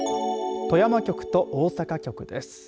富山局と大阪局です。